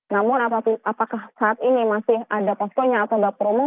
namun apakah saat ini masih ada poskonya atau babromo